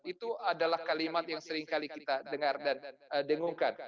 itu adalah kalimat yang seringkali kita dengar dan dengungkan